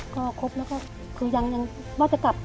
ก็ครบแล้วก็คือยังว่าจะกลับ